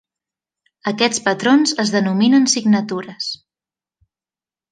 Aquests patrons es denominen signatures.